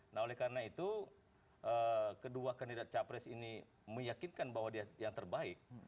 nah oleh karena itu kedua kandidat capres ini meyakinkan bahwa dia yang terbaik